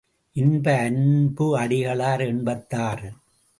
இன்ப அன்பு அடிகளார் எண்பத்தாறு.